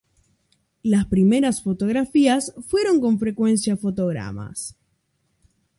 Las primeras fotografías fueron con frecuencia fotogramas.